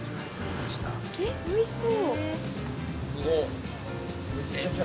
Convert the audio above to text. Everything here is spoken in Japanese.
えっ、おいしそう。